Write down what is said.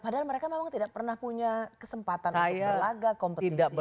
padahal mereka memang tidak pernah punya kesempatan untuk berlaga kompetisi